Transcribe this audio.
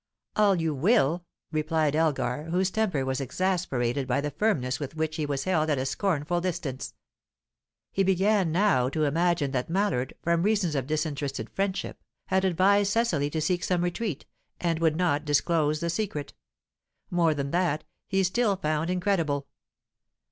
"All you will," replied Elgar, whose temper was exasperated by the firmness with which he was held at a scornful distance. He began now to imagine that Mallard, from reasons of disinterested friendship, had advised Cecily to seek some retreat, and would not disclose the secret. More than that, he still found incredible.